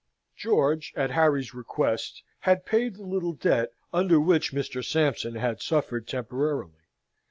George, at Harry's request, had paid the little debt under which Mr. Sampson had suffered temporarily.